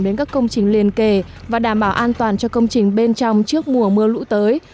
đến các công trình liên kề và đảm bảo an toàn cho công trình bên trong trước mùa mưa lũ tới